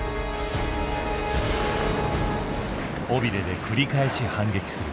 尾びれで繰り返し反撃する。